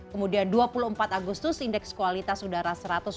kemudian dua puluh empat agustus indeks kualitas udara satu ratus empat puluh